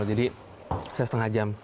jadi saya setengah jam